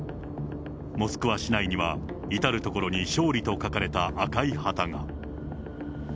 モスクワ市内には、至る所に勝利と書かれた赤い旗が。